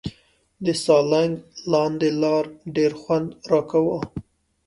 د سالنګ لاندې لار ډېر خوند راکاوه.